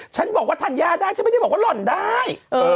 ฉันบอกว่าทานยาได้ฉันไม่ได้บอกว่าหล่อนได้